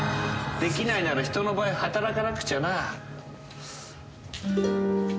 できないなら人の倍、働かなくちゃな。